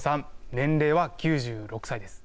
年齢は９６歳です。